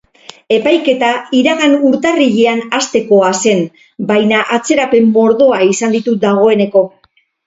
Epaiketa iragan urtarrilean hastekoa zen, baina atzerapen mordoa izan ditu dagoeneko.